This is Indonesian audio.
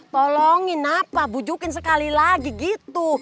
tolongin apa bujukin sekali lagi gitu